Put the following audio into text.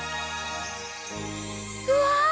うわ！